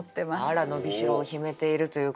あら伸びしろを秘めているということで。